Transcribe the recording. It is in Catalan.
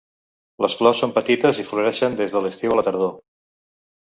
Les flors són petites i floreixen des de l'estiu a la tardor.